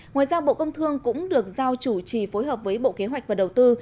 ngoài ra bộ công thương cũng được giao chủ trì phối hợp với bộ kế hoạch và đầu tư